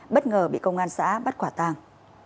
bất ngờ bị công an xã bắt quả tàng